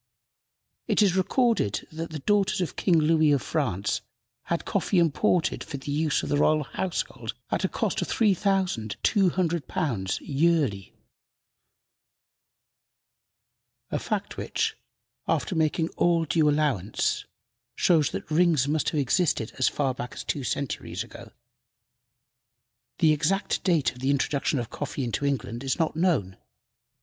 It is recorded that the daughters of King Louis of France had coffee imported for the use of the royal household at a cost of £3,200 yearly, a fact which, after making all due allowance, shows that "rings" must have existed as far back as two centuries ago. The exact date of the introduction of coffee into England is not known.